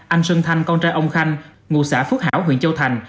anh sơn thanh con trai ông khanh ngồi xã phước hảo huyện châu thành